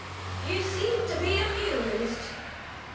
You seem to be amused?"